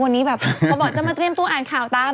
วันนี้อยากมาใจรี่ยมตจุ่นหนังข่าวตาม